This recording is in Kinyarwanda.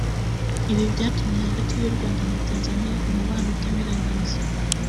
Ibi byatumye hagati y’u Rwanda na Tanzaniya umubano utamera neza